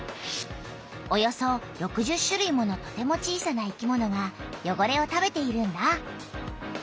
およそ６０種類ものとても小さな生きものがよごれを食べているんだ。